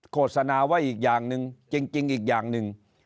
โฆษณาไว้อีกอย่างหนึ่งจริงอีกอย่างหนึ่ง